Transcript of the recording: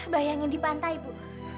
bayangin di pantai bu